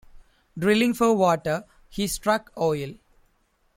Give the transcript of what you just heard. Drilling for water, he struck oil.